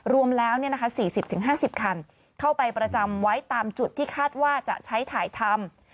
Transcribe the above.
รวมแล้ว๔๐๕๐คันเข้าไปประจำไว้ตามจุดที่คาดว่าจะใช้ถ่ายทำ